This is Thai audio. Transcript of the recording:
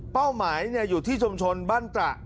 หมายอยู่ที่ชุมชนบ้านตระ